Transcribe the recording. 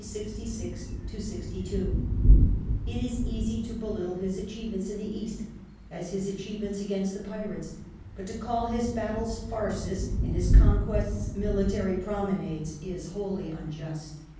66 62). It is as easy to belittle his achievements in the East as his achievements against the pirates; but to call his battles farces and his con quests military promenades is wholly unjust.